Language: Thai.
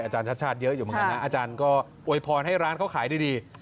อาจารย์ชาติชาติเยอะอยู่เหมือนกันนะอาจารย์ก็อวยพรให้ร้านเขาขายดี